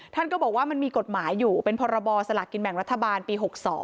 ท่านก็บอกว่ามันมีกฎหมายอยู่เป็นพรบสลากกินแบ่งรัฐบาลปี๖๒